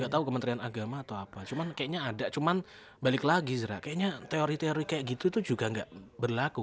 gak tahu kementerian agama atau apa cuman kayaknya ada cuman balik lagi kayaknya teori teori kayak gitu itu juga nggak berlaku